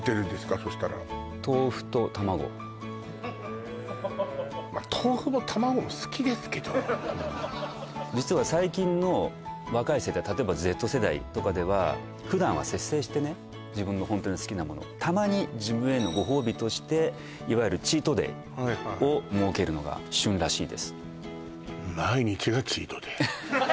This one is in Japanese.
そしたらまあ豆腐も卵も好きですけど実は最近の若い世代例えばＺ世代とかでは普段は節制してね自分の本当に好きな物をたまに自分へのご褒美としていわゆるチートデイを設けるのが旬らしいです